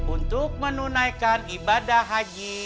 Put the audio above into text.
untuk menunaikan ibadah haji